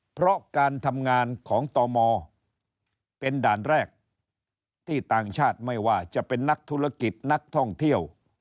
เพราะการทำงานของตมเป็นด่านแรกที่ต่างชาติไม่ว่าจะเป็นนักธุรกิจนักท่องเที่ยว